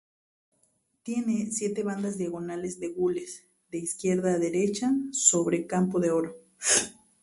Tiene siete bandas diagonales de gules, de izquierda a derecha, sobre campo de oro.